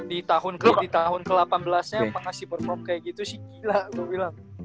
di tahun ke delapan belas nya pengasih perform kayak gitu sih gila gue bilang